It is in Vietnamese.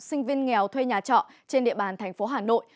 sinh viên nghèo thuê nhà trọ trên địa bàn thành phố hà nội